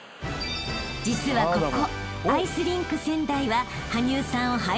［実はここ］